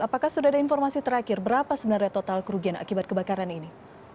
apakah sudah ada informasi terakhir berapa sebenarnya total kerugian akibat kebakaran ini